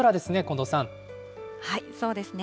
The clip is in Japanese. そうですね。